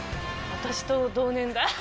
私と同年代。